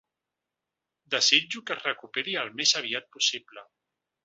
Desitjo que es recuperi el més aviat possible.